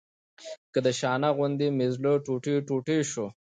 که د شانه غوندې مې زړه ټوټې ټوټې شو.